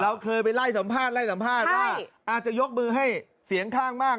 เคยไปไล่สัมภาษณ์ไล่สัมภาษณ์ว่าอาจจะยกมือให้เสียงข้างมาก